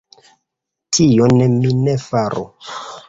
Tion mi ne faru.